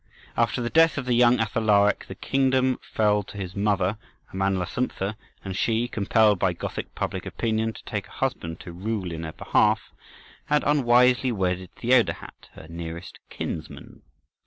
After the death of the young Athalaric, the kingdom fell to his mother, Amalasuntha, and she, compelled by Gothic public opinion to take a husband to rule in her behalf, had unwisely wedded Theodahat, her nearest kinsman.